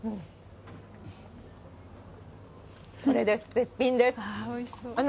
これです、絶品です。